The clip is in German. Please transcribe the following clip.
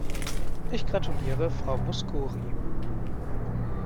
Ich gratuliere Frau Mouskouri.